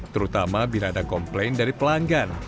terutama bila ada komplain dari pelanggan